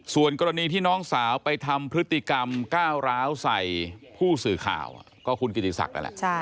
ส่วนกรณีที่น้องสาวไปทำพฤติกรรมก้าวร้าวใส่ผู้สื่อข่าวก็คุณกิติศักดิ์นั่นแหละ